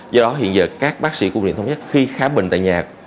do đó hiện giờ các bác sĩ của bộ y tế khi khám bệnh tại nhà